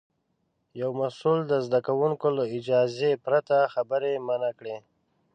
یو مسوول د زده کوونکي له اجازې پرته خبرې منع کړې.